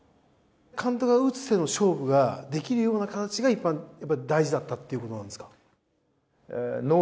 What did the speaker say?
監督が打つ手の勝負ができるような形がやっぱ大事だったっていう事なんですか？